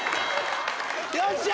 よっしゃ！